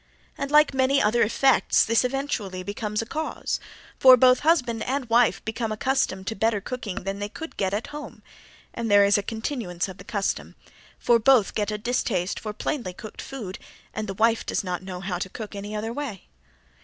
And like many other effects this eventually becomes a cause, for both husband and wife become accustomed to better cooking than they could get at home and there is a continuance of the custom, for both get a distaste for plainly cooked food, and the wife does not know how to cook any other way.